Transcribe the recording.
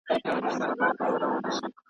غاټول به نه وي پر غونډیو ارغوان به نه وي.